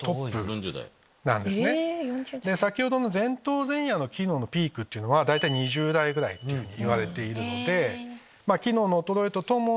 先ほどの前頭前野の機能のピークっていうのは大体２０代ぐらいといわれているので。